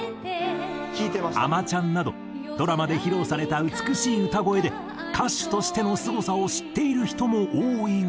『あまちゃん』などドラマで披露された美しい歌声で歌手としてのすごさを知っている人も多いが。